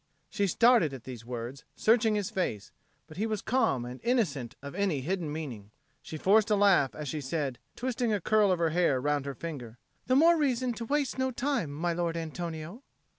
She started at these words, searching his face; but he was calm and innocent of any hidden meaning. She forced a laugh as she said, twisting a curl of her hair round her finger, "The more reason to waste no time, my Lord Antonio."